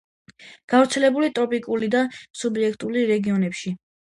გავრცელებულია ტროპიკულ და სუბტროპიკულ რეგიონებში.